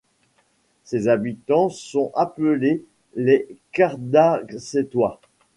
Ses habitants sont appelés les Cadarcetois.